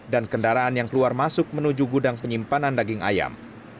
dan kendaraan yang keluar masuk menuju gudang penyimpanan daging ayam